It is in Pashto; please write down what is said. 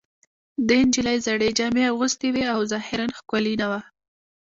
دې نجلۍ زړې جامې اغوستې وې او ظاهراً ښکلې نه وه